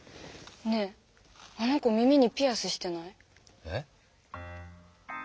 ねえあの子耳にピアスしてない？え？